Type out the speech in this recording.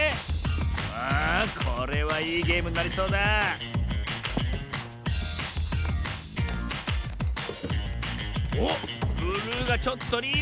さあこれはいいゲームになりそうだおっブルーがちょっとリード！